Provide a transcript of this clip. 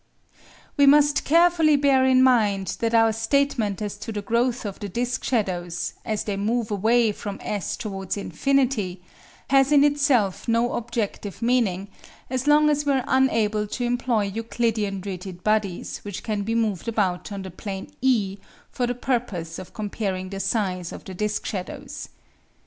We must carefully bear in mind that our statement as to the growth of the disc shadows, as they move away from S towards infinity, has in itself no objective meaning, as long as we are unable to employ Euclidean rigid bodies which can be moved about on the plane E for the purpose of comparing the size of the disc shadows.